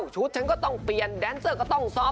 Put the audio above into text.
ชุดฉันก็ต้องเปลี่ยนแดนเซอร์ก็ต้องซ้อม